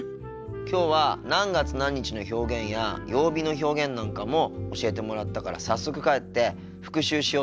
きょうは何月何日の表現や曜日の表現なんかも教えてもらったから早速帰って復習しようと思ってるよ。